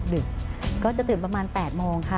ดึกก็จะตื่นประมาณ๘โมงค่ะ